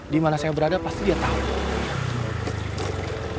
di mana saya berada pasti dia tahu